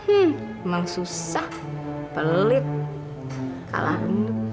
emang susah pelit kalah bener